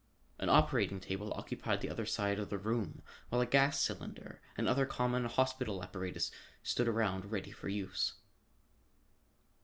An operating table occupied the other side of the room while a gas cylinder and other common hospital apparatus stood around ready for use.